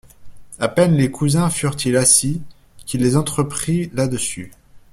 A peine les cousins furent-ils assis, qu'il les entreprit là-dessus.